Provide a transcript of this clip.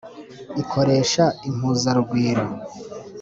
Ikoresha impuzarugwiro.